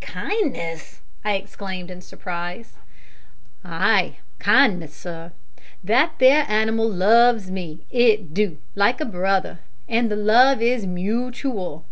"Kindness!" I exclaimed, in surprise. "Ay, kindness, sir. That there hanimal loves me, it do, like a brother, an the love is mootooal.